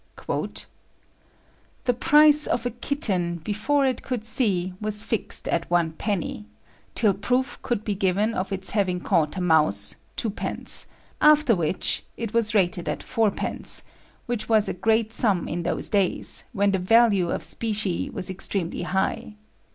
"The price of a kitten, before it could see, was fixed at one penny; till proof could be given of its having caught a mouse, twopence; after which it was rated at fourpence, which was a great sum in those days, when the value of specie was extremely high.